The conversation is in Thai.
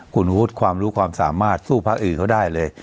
คุณวุฒิความรู้ความสามารถสู้พักอื่นเขาได้เลย